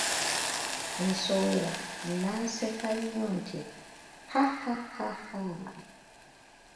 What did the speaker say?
Nsowera n'aseka nnyo nti, ha ha haaaaa!